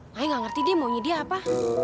makanya gak ngerti dia maunya dia apa